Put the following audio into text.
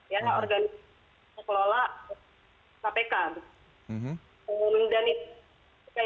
yang organisasi pengelola kpk